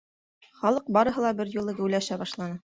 Халыҡ барыһы бер юлы геүләшә башланы.